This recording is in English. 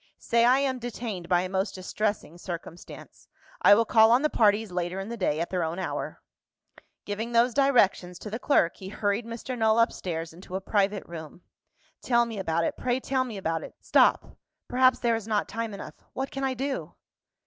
"Say I am detained by a most distressing circumstance; I will call on the parties later in the day, at their own hour." Giving those directions to the clerk, he hurried Mr. Null upstairs into a private room. "Tell me about it; pray tell me about it. Stop! Perhaps, there is not time enough. What can I do?"